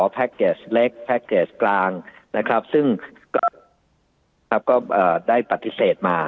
แพคเกจเล็กแพคเกจกลางนะครับซึ่งก็ครับก็เอ่อได้ปฏิเสธมา